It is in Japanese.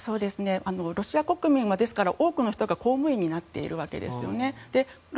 ロシア国民は多くの人が公務員になっているわけですよね。